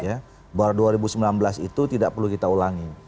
bahwa dua ribu sembilan belas itu tidak perlu kita ulangi